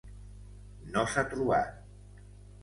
No s'ha trobat.